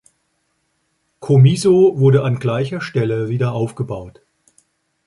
Comiso wurde an gleicher Stelle wieder aufgebaut.